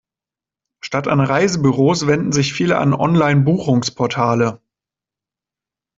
Statt an Reisebüros wenden sich viele an Online-Buchungsportale.